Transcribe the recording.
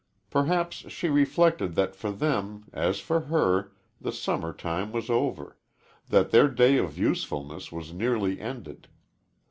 Perhaps she reflected that for them, as for her, the summer time was over that their day of usefulness was nearly ended.